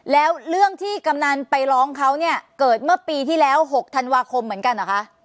แล้วเรื่องที่กำนันไปร้องเขาเนี่ยเกิดเมื่อปีที่แล้ว๖ธันวาคมเหมือนกันเหรอคะ